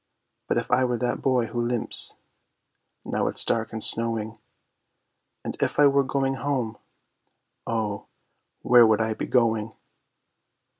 _If I were that Boy who limps, now it's dark and snowing, And if I were going home, Oh, where would I be going?